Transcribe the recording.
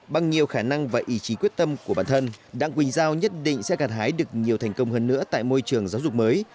bằng nhiều khả năng và ý chí quyết tâm của bản thân đặng quỳnh giao nhất định sẽ gặt hái được nhiều thành công hơn nữa tại môi trường giáo dục mới